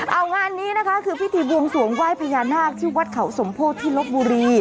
เอางานนี้นะคะคือพิธีบวงสวงไหว้พญานาคที่วัดเขาสมโพธิที่ลบบุรี